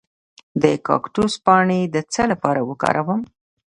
د کاکتوس پاڼې د څه لپاره وکاروم؟